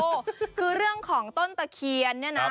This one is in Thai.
โอ้โหคือเรื่องของต้นตะเคียนเนี่ยนะ